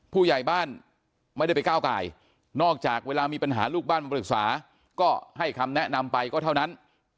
ผู้ใหญ่บ้านไม่ได้ไปก้าวไก่นอกจากเวลามีปัญหาลูกบ้านมาปรึกษาก็ให้คำแนะนำไปก็เท่านั้น